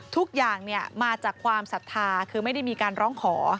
ทุกอย่างมาจากความศรัทธาคือไม่ได้มีการร้องขอ